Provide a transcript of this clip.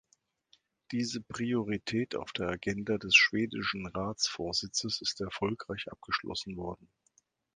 Diese Priorität auf der Agenda des schwedischen Ratsvorsitzes ist erfolgreich abgeschlossen worden.